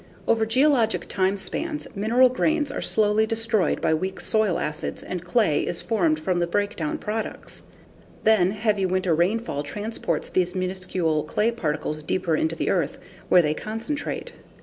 Over geologic time spans, mineral grains are slowly destroyed by weak soil acids and clay is formed from the breakdown products. Then heavy winter rainfall transports these minuscule clay particles deeper into the earth, where they concentrate.